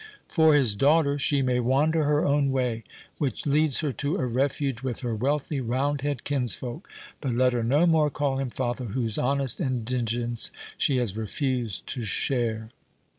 For his daughter, she may wander her own way, which leads her to a refuge with her wealthy roundhead kinsfolk; but let her no more call him father, whose honest indigence she has refused to share!"